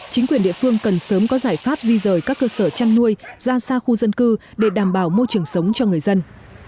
chính quyền địa phương cần sớm có giải pháp di rời các cơ sở chăn nuôi ra xa khu dân cư để đảm bảo môi trường sống cho người dân